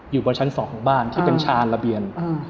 อยู่บนชั้น๒ของบ้านที่เป็นชานระเบียน